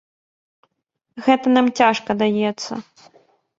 Гэта нам цяжка даецца.